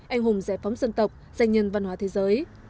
anh hùng giải phóng dân tộc danh nhân văn hóa thế giới